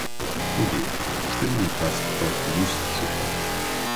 Bom dia, gostaria de um pedaço de torta musse de chocolate.